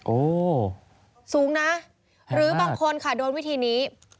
โอ้สูงนะหรือบางคนค่ะโดนวิธีนี้